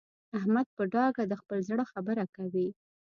احمد په ډاګه د خپل زړه خبره کوي.